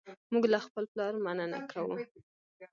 موږ له خپل پلار مننه کوو.